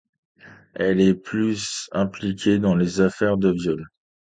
Elle est plus impliquée dans les affaires de viol.